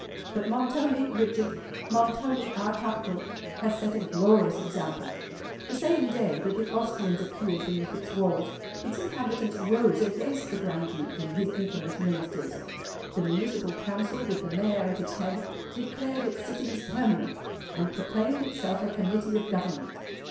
But Montoni, Richard,—Montoni, our capital, has set a glorious example. The same day that the Austrians appeared beneath its walls, its inhabitants rose against the Grand Duke and his infamous Ministers. The Municipal Council, with the Mayor at its head, declared its sittings permanent, and proclaimed itself a Committee of Government.